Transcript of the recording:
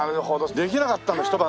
できなかったんだ